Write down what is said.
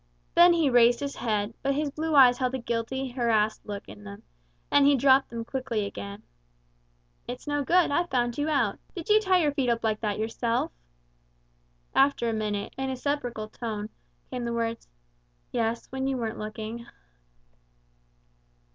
Then he raised his head, but his blue eyes had a guilty harassed look in them, and he dropped them quickly again. "It's no good; I've found you out. Did you tie up your feet like that yourself?" After a minute, in a sepulchral tone, came the words, "Yes, when you weren't looking!"